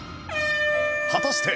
果たして